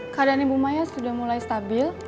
keadaan ibu maya sudah mulai stabil